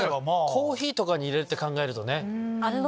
コーヒーとかに入れるって考えるとね。